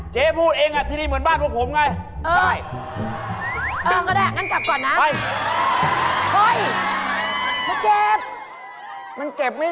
เจ๊พูดเองที่นี่เหมือนบ้านพวกผมไง